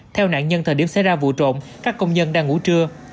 theo nạn nhân thời điểm xảy ra vụ trộm các công nhân đang ngủ trưa